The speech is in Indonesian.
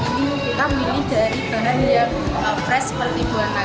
kita memilih dari bahan yang fresh seperti buah naga